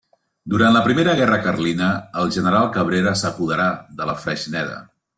Durant la primera guerra Carlina, el general Cabrera s'apoderà de la Freixneda.